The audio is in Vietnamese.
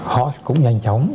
họ cũng nhanh chóng